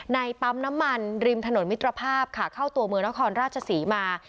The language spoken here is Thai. ปั๊มน้ำมันริมถนนมิตรภาพค่ะเข้าตัวเมืองนครราชศรีมา